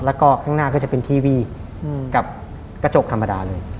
แล้วก็ข้างหน้าก็จะเป็นที่วีบกับกระจกธรรมดาเลย